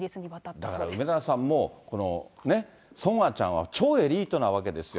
だから梅沢さん、もう、このね、ソンアちゃんは超エリートなわけですよ。